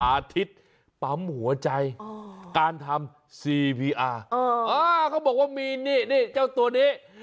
อาทิตย์ปั๊มหัวใจการทำซีวีอาร์เขาบอกว่ามีนี่เจ้าตัวนี้